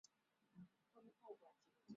华山角头势力从日治时期延续至今。